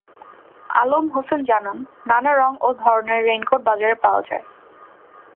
আলম হোসেন জানান, নানা রং ও ধরনের রেইনকোট বাজারে পাওয়া যায়।